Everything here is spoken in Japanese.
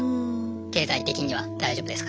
経済的には大丈夫ですか？